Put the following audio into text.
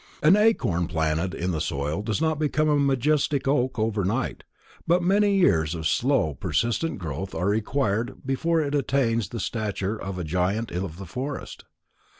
An acorn planted in the soil does not become a majestic oak over night, but many years of slow, persistent growth are required before it attains to the stature of a giant of the forest.